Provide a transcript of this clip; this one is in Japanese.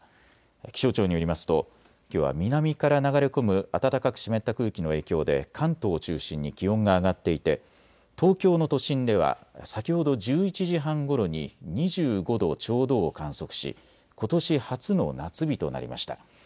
気象庁によりますときょうは南から流れ込む暖かく湿った空気の影響で関東を中心に気温が上がっていて東京の都心では先ほど１１時半ごろに２５度ちょうどを観測し、ことし初の夏日となりました。